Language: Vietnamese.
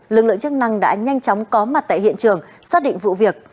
lực lượng chức năng đã nhanh chóng có mặt tại hiện trường xác định vụ việc